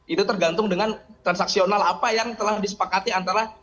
itu tergantung dengan transaksional apa yang telah disepakati antara